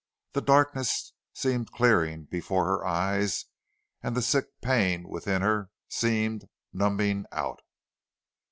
The darkness seemed clearing before her eyes and the sick pain within her seemed numbing out.